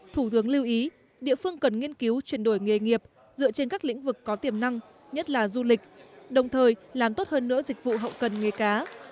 thủ tướng lưu ý địa phương cần nghiên cứu chuyển đổi nghề nghiệp dựa trên các lĩnh vực có tiềm năng nhất là du lịch đồng thời làm tốt hơn nữa dịch vụ hậu cần nghề cá